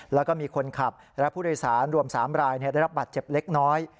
แล้วก็มีคนขับและผู้โดยสารรวม๓รายได้รับบัตรเจ็บเล็กน้อย